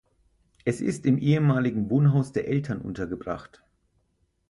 Es ist im ehemaligen Wohnhaus der Eltern untergebracht.